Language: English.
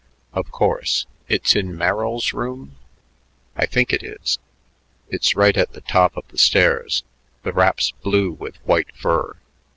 "Of course. It's in Merrill's room?" "I think it is. It's right at the head of the stairs. The wrap's blue with white fur."